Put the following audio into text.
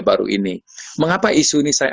baru ini mengapa isu ini saya